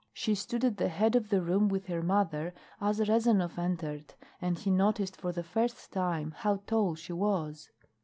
She stood at the head of the room with her mother as Rezanov entered, and he noticed for the first time how tall she was.